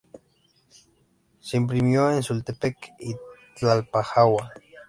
Se imprimió en Sultepec y Tlalpujahua.